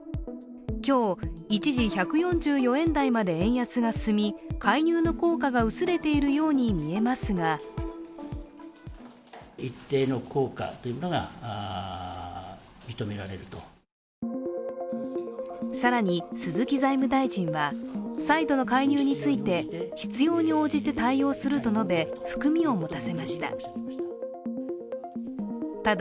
今日、一時１４４円台まで円安が進み介入の効果が薄れているように見えますが更に、鈴木財務大臣は再度の介入について必要に応じて対応すると述べ含みを持たせました。